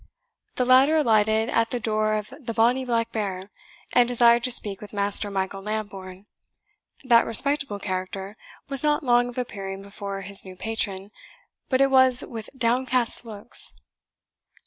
The latter alighted at the door of the bonny Black Bear, and desired to speak with Master Michael Lambourne, That respectable character was not long of appearing before his new patron, but it was with downcast looks.